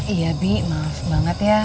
iya bi maaf banget ya